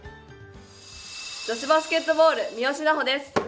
女子バスケットボール、三好南穂です。